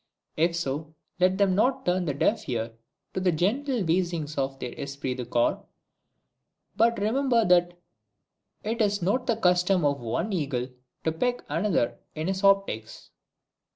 If so, let them not turn the deaf ear to the gentle wheezings of their esprit de corps, but remember that it is not the custom for one eagle to peck another in his optics.